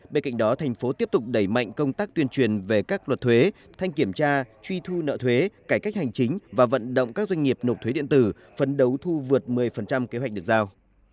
bên cạnh đó thành phố tiếp tục đẩy mạnh công tác tuyên truyền về các luật thuế thanh kiểm tra truy thu nợ thuế cải cách hành chính và vận động các doanh nghiệp nộp thuế điện tử phấn đấu thu vượt một mươi kế hoạch được giao